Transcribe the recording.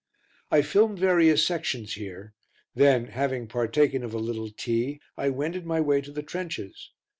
I filmed various sections here, then, having partaken of a little tea, I wended my way to the trenches.